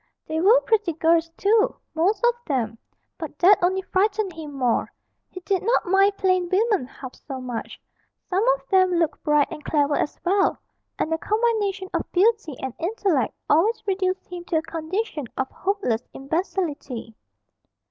They were pretty girls too, most of them, but that only frightened him more; he did not mind plain women half so much; some of them looked bright and clever as well, and a combination of beauty and intellect always reduced him to a condition of hopeless imbecility.